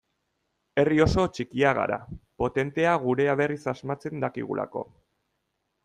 Herri oso txikia gara, potentea gurea berriz asmatzen dakigulako.